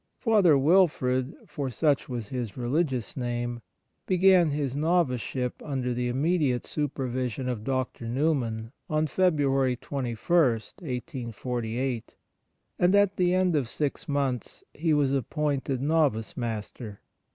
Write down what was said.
Father Wil frid, for such was his rehgious name, began his noviceship under the immediate super vision of Dr. Newman on February 21, 1848, and at the end of six months he was appointed Novice Master.